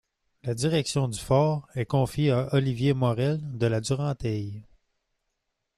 La direction du fort est confiée à Olivier Morel de La Durantaye.